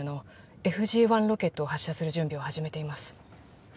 ＦＧⅠ ロケットを発射する準備を始めています